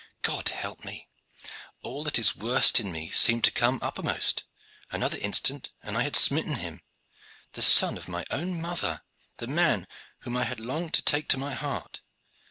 "God help me! all that is worst in me seemed to come uppermost. Another instant, and I had smitten him: the son of my own mother, the man whom I have longed to take to my heart.